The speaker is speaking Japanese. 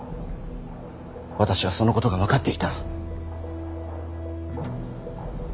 私はそのことが分かっていた。